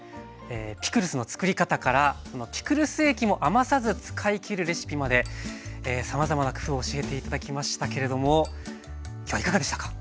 ピクルスのつくり方からピクルス液も余さず使いきるレシピまでさまざまな工夫を教えて頂きましたけれども今日はいかがでしたか？